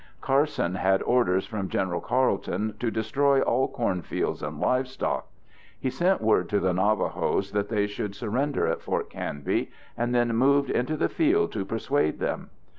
Carson had orders from General Carleton to destroy all cornfields and livestock. He sent word to the Navajos that they should surrender at Fort Canby, and then moved into the field to persuade them.